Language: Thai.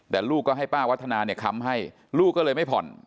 แต่ลูกก็ให้ป้าวัฒนาเนี่ยค้ำให้ลูกก็เลยไม่ผ่อน